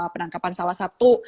penangkapan salah satu